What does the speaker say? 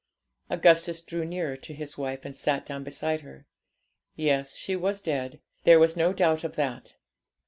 Augustus drew nearer to his wife, and sat down beside her. Yes, she was dead; there was no doubt of that.